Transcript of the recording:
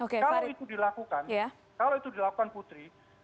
kalau itu dilakukan kalau itu dilakukan putri